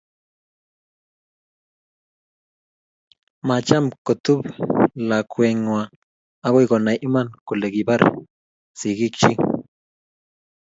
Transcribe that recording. macham kotup lakwee ng'wang okoi konai iman koleni kibar sikiik chii.